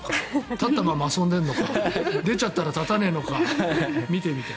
立ったまま遊んでいるのか出ちゃったら立たないのか見てみたい。